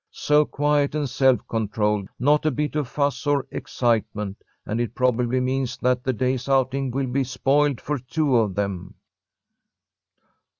So quiet and self controlled, not a bit of fuss or excitement, and it probably means that the day's outing will be spoiled for two of them."